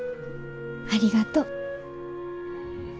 ありがとう。